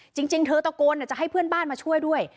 จริงเธอตะโกนจะให้เพื่อนบ้านมาช่วยด้วย